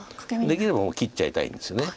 できれば切っちゃいたいんですよね。